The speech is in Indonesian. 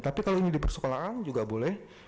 tapi kalau ini di persekolahan juga boleh